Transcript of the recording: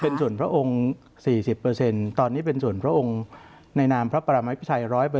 เป็นส่วนพระองค์๔๐ตอนนี้เป็นส่วนพระองค์ในนามพระประมาพิชัย๑๐๐